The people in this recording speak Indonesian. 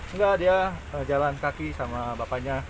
enggak dia jalan kaki sama bapaknya